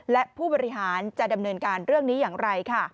และผู้บริหารจะดำเนินการเรื่องนี้อย่างไรค่ะ